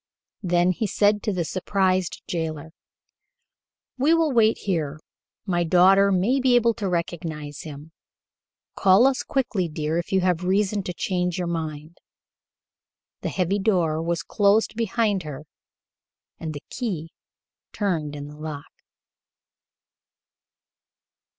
Then he said to the surprised jailer: "We will wait here. My daughter may be able to recognize him. Call us quickly, dear, if you have reason to change your mind." The heavy door was closed behind her, and the key turned in the lock.